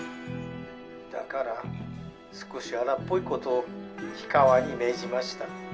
だから少し荒っぽいことを氷川に命じました。